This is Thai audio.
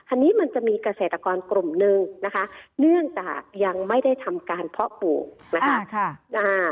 อันนี้มันจะมีเกษตรกรกลุ่มหนึ่งนะคะเนื่องจากยังไม่ได้ทำการเพาะปลูกนะคะ